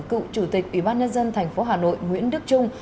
cựu chủ tịch ủy ban nhân dân tp hà nội nguyễn đức trung